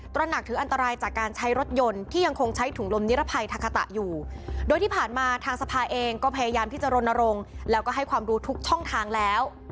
ระหนักถึงอันตรายจากการใช้รถยนต์ที่ยังคงใช้ถุงลมนิรภัยทาคาตะอยู่โดยที่ผ่านมาทางสภาเองก็พยายามที่จะรณรงค์แล้วก็ให้ความรู้ทุกช่องทางแล้ว